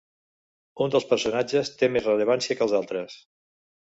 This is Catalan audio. Un dels personatges té més rellevància que els altres.